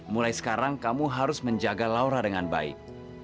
mulai sekarang kamu harus menjaga laura dengan baik